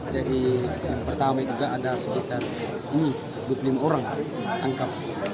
jadi yang pertama juga ada sekitar dua puluh lima orang yang angkap